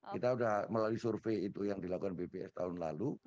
kita sudah melalui survei itu yang dilakukan bps tahun lalu